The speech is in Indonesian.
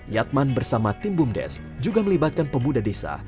yatman bersama tim bumdes juga melibatkan pemuda desa